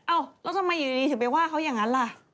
แล้วทำไมอยู่ดีถึงไปว่าเขาอย่างนั้นล่ะ